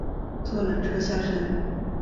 坐缆车下山